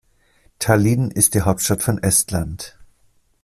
Tallinn ist die Hauptstadt von Estland.